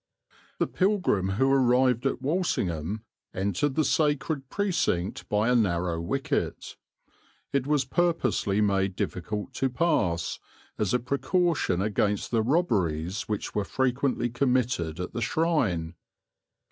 "The pilgrim who arrived at Walsingham entered the sacred precinct by a narrow wicket. It was purposely made difficult to pass, as a precaution against the robberies which were frequently committed at the shrine.